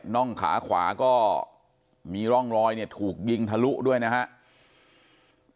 ่องขาขวาก็มีร่องรอยเนี่ยถูกยิงทะลุด้วยนะครับ